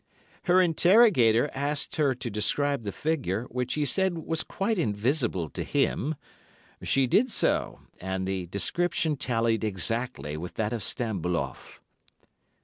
Her interrogator asked her to describe the figure, which he said was quite invisible to him. "'She did so, and the description tallied exactly with that of Stambuloff.